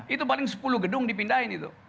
itu paling sepuluh gedung dipindahin itu